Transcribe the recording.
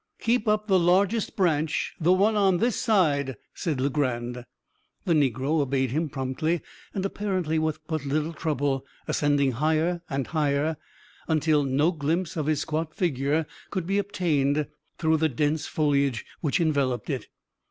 "Keep up the largest branch the one on this side," said Legrand. The negro obeyed him promptly, and apparently with but little trouble; ascending higher and higher, until no glimpse of his squat figure could be obtained through the dense foliage which enveloped it.